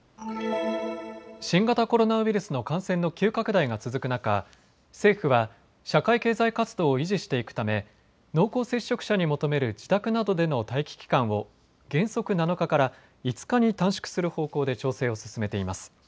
新型コロナウイルスの感染の急拡大が続く中、政府は社会経済活動を維持していくため濃厚接触者に求める自宅などでの待機期間を原則７日から５日に短縮する方向で調整を進めています。